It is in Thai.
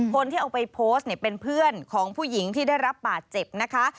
คนที่เอาไปโพสต์เนี่ยเป็นเพื่อนของผู้หญิงที่ได้รับบาดเจ็บนะคะ